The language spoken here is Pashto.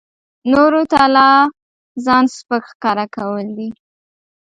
نورو ته لا ځان سپک ښکاره کول دي.